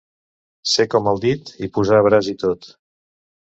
Ser com el dit i posar braç i tot.